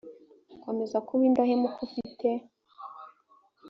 komeza kuba indahemuka ufite